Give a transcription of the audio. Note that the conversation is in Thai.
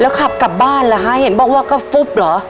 แล้วขับกลับบ้านล่ะฮะเห็นบอกว่าก็ฟุบเหรอ